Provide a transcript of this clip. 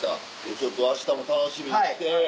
ちょっとあしたも楽しみにして。